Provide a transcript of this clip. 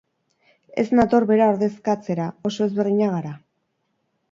Ez nator bera ordezkatzera, oso ezberdinak gara.